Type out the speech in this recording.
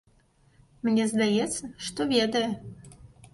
Мне здаецца, што ведае.